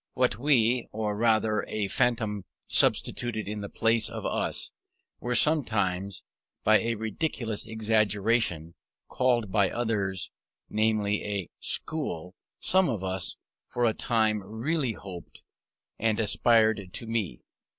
What we (or rather a phantom substituted in the place of us) were sometimes, by a ridiculous exaggeration, called by others, namely a "school," some of us for a time really hoped and aspired to be.